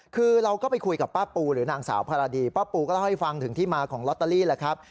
คือเราก็ไปคุยกับป้าปูหรือนางสาวภารดีป้าปูก็เล่าให้ฟังถึงที่มาของลอตเตอรี่แหละครับ